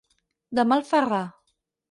De mal ferrar.